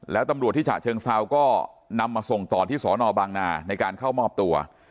แล้วตำรวจที่ฉะเชิงเซาก็นำมาส่งต่อที่สอนอบางนาในการเข้ามอบตัว